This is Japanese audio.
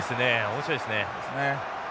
面白いですね。